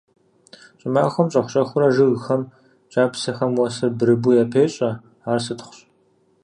Щӏымахуэм щӏэх-щӏэхыурэ жыгхэм, кӏапсэхэм уэсыр бырыбу япещӏэ, ар сытхъущ.